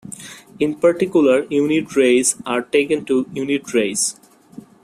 In particular, unit rays are taken to unit rays.